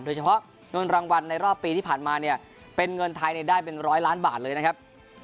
โดยเฉพาะเงินรางวัลในรอบปีที่ผ่านมาเนี่ยเป็นเงินไทยได้เป็นร้อยล้านบาทเลยนะครับ